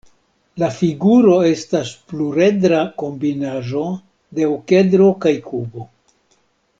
La figuro estas pluredra kombinaĵo de okedro kaj kubo.